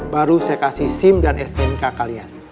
baru saya kasih sim dan stnk kalian